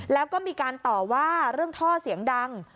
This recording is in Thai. แล้วก็มีการต่อว่าเรื่องท่อเสียงดัง